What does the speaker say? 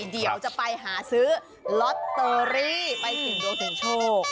เดี๋ยวจะไปหาซื้อล็อตเตอรี่ไปถึงโดรเตนโชค